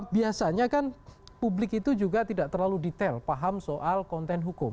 biasanya kan publik itu juga tidak terlalu detail paham soal konten hukum